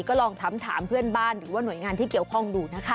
ก็ลองถามเพื่อนบ้านหรือว่าหน่วยงานที่เกี่ยวข้องดูนะคะ